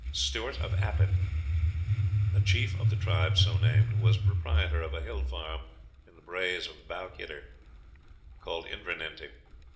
Stewart of Appin, a chief of the tribe so named, was proprietor of a hill farm in the Braes of Balquhidder, called Invernenty.